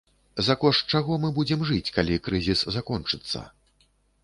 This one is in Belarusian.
За кошт чаго мы будзем жыць, калі крызіс закончыцца?